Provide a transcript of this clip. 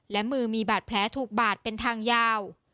และมือมีบาดแผลถูกบาดเป็นทางยาว